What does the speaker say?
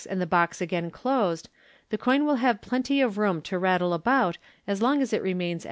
and ,the box again closed, the coin will have plenty of room to rattle about as long as it remains Fig.